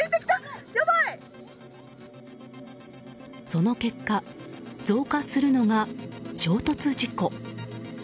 その結果増加するのが衝突事故。